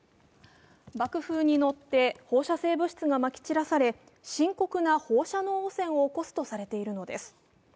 爆風に乗って放射性物質がまき散らされ深刻な放射能汚染を起こすとされているのです。